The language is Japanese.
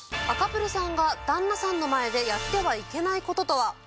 赤プルさんが旦那さんの前でやってはいけない事とは？